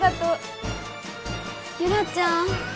ユラちゃん。